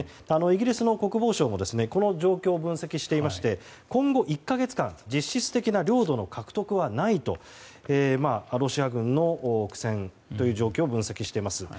イギリス国防省もこの状況を分析していまして今後１か月間実質的な領土の獲得はないとロシア軍の苦戦という状況を分析しています。